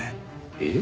えっ？